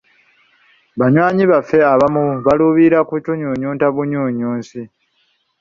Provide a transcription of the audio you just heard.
Banywanyi baffe abamu baluubirira kutunyunyunta bunyunyusi.